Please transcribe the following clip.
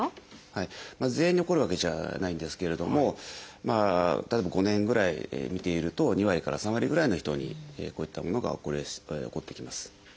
全員に起こるわけじゃないんですけれども例えば５年ぐらい見ていると２割から３割ぐらいの人にこういったものが起こってきます。